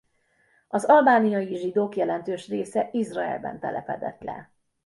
Az albániai zsidók jelentős része Izraelben telepedett le.